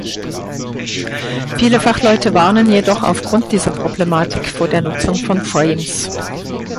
Viele Fachleute warnen jedoch aufgrund dieser Problematik vor der Nutzung von "Frames".